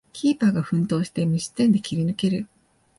キーパーが奮闘して無失点で切り抜ける